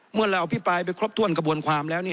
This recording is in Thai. เมื่อเราอภิปรายไปครบถ้วนกระบวนความแล้ว